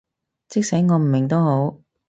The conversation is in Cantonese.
即使我唔明都好